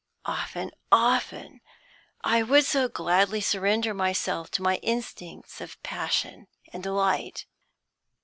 Often, often, I would so gladly surrender myself to my instincts of passion and delight.